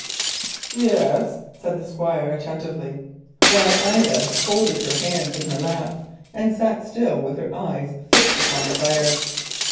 "Yes," said the Squire attentively, while Ida folded her hands in her lap and sat still with her eyes fixed upon the fire.